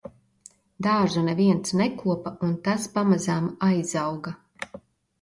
Dārzu neviens nekopa un tas pamazām aizauga.